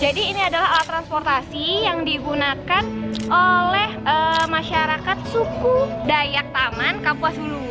jadi ini adalah alat transportasi yang digunakan oleh masyarakat suku dayak taman kapuasulu